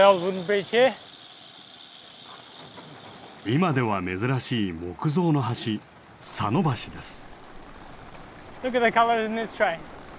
今では珍しい木造の橋佐野橋です。